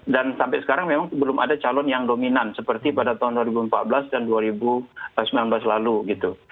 dan sampai sekarang memang belum ada calon yang dominan seperti pada tahun dua ribu empat belas dan dua ribu sembilan belas lalu gitu